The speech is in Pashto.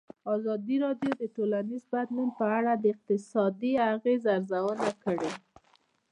ازادي راډیو د ټولنیز بدلون په اړه د اقتصادي اغېزو ارزونه کړې.